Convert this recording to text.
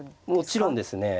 もちろんですね。